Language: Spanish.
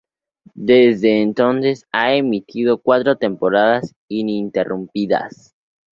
Desde entonces, ha emitido cuatro temporadas ininterrumpidas.